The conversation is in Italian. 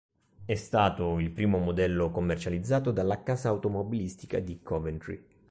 È stato il primo modello commercializzato dalla casa automobilistica di Coventry.